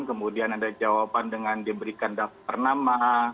kemudian ada jawaban dengan diberikan daftar nama